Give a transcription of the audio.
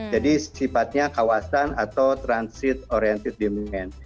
jadi sifatnya kawasan atau transit oriented development